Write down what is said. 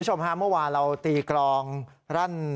คุณผู้ชมฮะเมื่อวานเราตีกรองรั่น